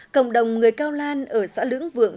cộng đồng người cao lan ở xã lưỡng vượng